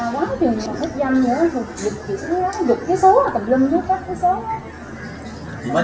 đối tượng đơng phủ vật idr